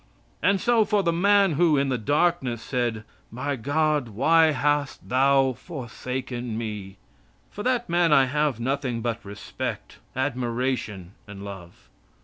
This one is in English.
And so for the man who, in the darkness, said: "My God, why hast Thou forsaken Me?" for that man I have nothing but respect, admiration, and love.